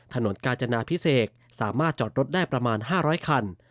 ถนนกาจนาพิเศษสามารถจอดรถได้ประมาณ๕๐๐คัน